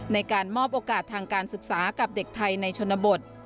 ในการมอบโอกาสทางการศึกษากับเด็กไทยในชนบท